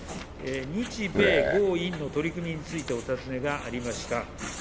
日米豪印の取り組みについてお尋ねがありました。